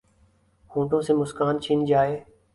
ہونٹوں سے مسکان چھن جائے